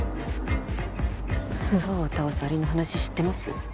ゾウを倒すアリの話知ってます？